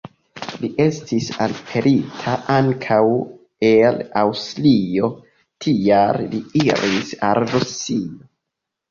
Li estis elpelita ankaŭ el Aŭstrio, tial li iris al Rusio.